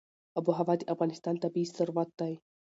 آب وهوا د افغانستان طبعي ثروت دی.